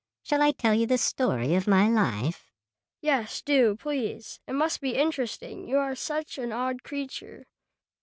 Shall I tell you the story of my life?" "Yes, do, please. It must be interesting. You are such an odd creature."